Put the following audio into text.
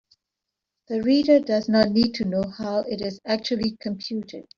The reader does not need to know how it is actually computed.